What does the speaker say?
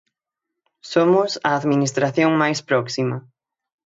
Somos a Administración máis próxima.